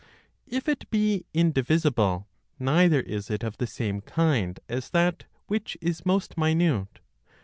If it be indivisible, neither is it of the same kind as that which is most minute.